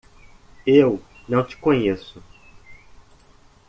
Eu não te conheço!